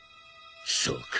そうか。